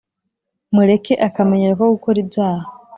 Mureke akamenyero ko gukora ibyaha